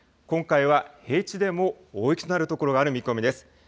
今回は平地でも大雪となる所がある見込みです。